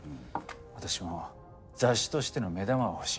私も雑誌としての目玉は欲しい。